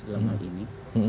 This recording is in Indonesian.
dalam hal ini